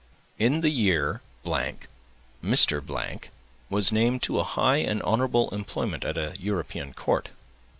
In the year ——, Mr. —— was named to a high and honorable employment at a European court.